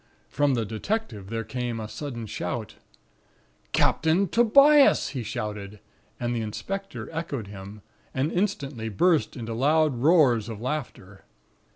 "From the detective there came a sudden shout: "'Captain Tobias!' he shouted, and the inspector echoed him; and instantly burst into loud roars of laughter.